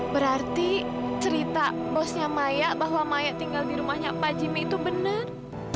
berarti cerita bosnya maya bahwa maya tinggal di rumahnya pak jimmy itu benar